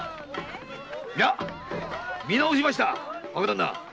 見直しました若旦那！